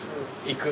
行く。